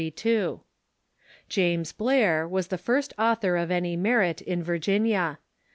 James Blair was the first author of any merit in Virginia.